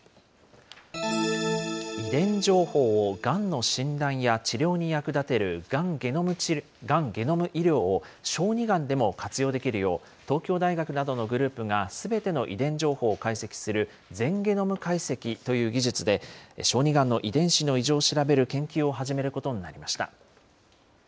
遺伝情報をがんの診断や治療に役立てるがんゲノム医療を小児がんでも活用できるよう、東京大学などのグループがすべての遺伝情報を解析する全ゲノム解析という技術で、小児がんの遺伝子の異常を調べる研究を始めることになりました。